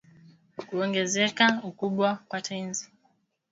Kuongezeka ukubwa kwa tezi